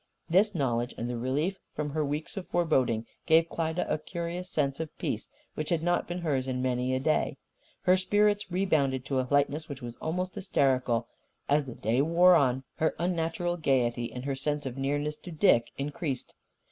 This knowledge, and the relief from her weeks of foreboding, gave Klyda a curious sense of peace which had not been hers in many a day. Her spirits rebounded to a lightness which was almost hysterical. As the day wore on, her unnatural gaiety and her sense of nearness to Dick increased.